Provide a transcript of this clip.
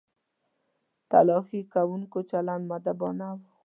تلاښي کوونکو چلند مؤدبانه و.